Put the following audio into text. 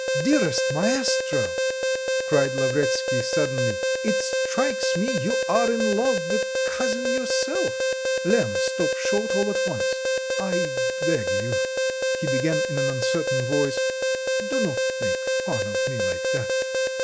"Dearest maestro!" cried Lavretsky suddenly, "it strikes me you are in love with cousin yourself." Lemm stopped short all at once. "I beg you," he began in an uncertain voice, "do not make fun of me like that.